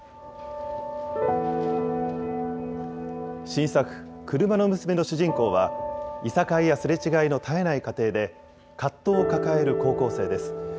新作、くるまの娘の主人公は、いさかいやすれ違いの絶えない家庭で、葛藤を抱える高校生です。